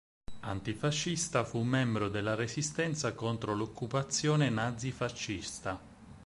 Antifascista, fu membro della Resistenza contro l'occupazione nazi-fascista.